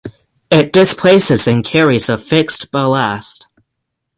It displaces and carries of fixed ballast.